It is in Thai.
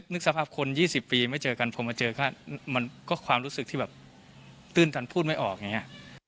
นึกสภาพคน๒๐ปีไม่เจอกันพอมาเจอก็มันก็ความรู้สึกที่แบบตื้นตันพูดไม่ออกอย่างนี้